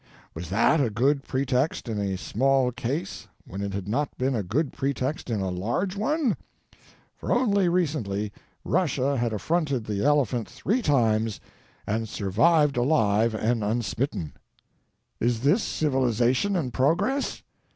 Was that a good pretext in a small case, when it had not been a good pretext in a large one? — for only recently Eussia had affronted the elephant three times and sur TO THE PERSON SITTING IN DARKNESS. 167 vived alive and unsmitten. Is this Civilization and Progress?